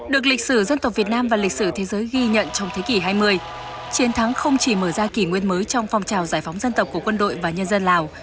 được lịch sử dân tộc việt nam và lịch sử thế giới ghi nhận trong thế kỷ hai mươi chiến thắng không chỉ mở ra kỷ nguyên mới trong phong trào giải phóng dân tộc của quân đội và nhân dân lào